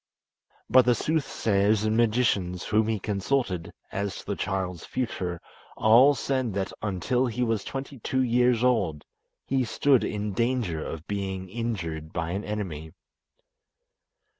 But the sooth sayers and magicians whom he consulted as to the child's future all said that until he was twenty two years old he stood in danger of being injured by an enemy.